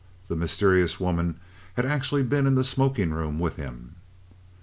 The mysterious woman had actually been in the smoking room with him.